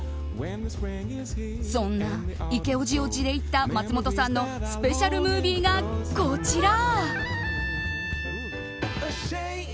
そんなイケおじを地でいった松本さんのスペシャルムービーがこちら。